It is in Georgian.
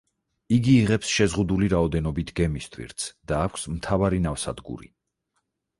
იგი იღებს შეზღუდული რაოდენობით გემის ტვირთს და აქვს მთავარი ნავსადგური.